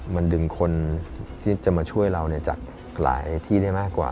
มันดึงคนที่จะมาช่วยเราจากหลายที่ได้มากกว่า